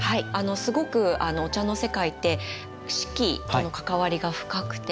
すごくお茶の世界って四季との関わりが深くて。